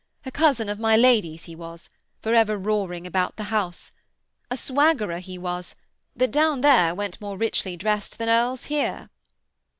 A cousin of my lady's he was, for ever roaring about the house. A swaggerer he was, that down there went more richly dressed than earls here.'